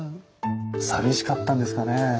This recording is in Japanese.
寂しかったんですかね。